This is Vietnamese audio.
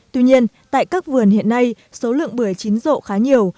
tuy nhiên tại các vườn hiện nay số lượng bưởi chín rộ khá nhiều